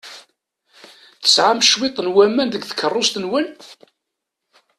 Tesɛam cwiṭ n waman deg tkeṛṛust-nwen?